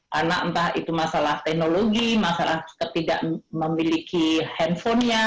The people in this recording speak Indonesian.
karena entah itu masalah teknologi masalah ketidak memiliki handphonenya